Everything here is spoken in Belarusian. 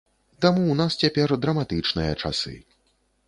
Таму ў нас цяпер драматычныя часы.